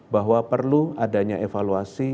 bahwa perlu adanya evaluasi